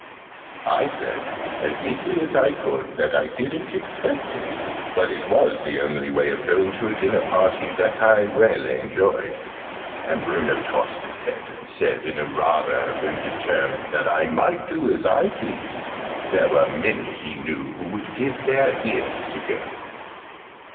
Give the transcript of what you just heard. I said, as meekly as I could, that I didn't expect it, but it was the only way of going to a dinner party that I really enjoyed. And Bruno tossed his head, and said, in a rather offended tone that I might do as I pleased there were many he knew that would give their ears to go.